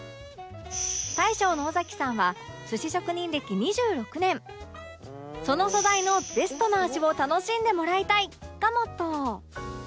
大将の尾崎さんは寿司職人歴２６年その素材のベストな味を楽しんでもらいたいがモットー